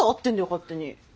勝手に。